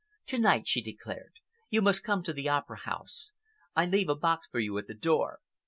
"To night," she declared, "you must come to the Opera House. I leave a box for you at the door.